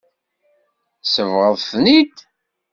Tsebɣeḍ-ten-id.